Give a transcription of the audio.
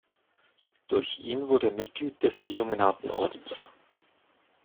Durch ihn wurde er Mitglied des Illuminatenordens.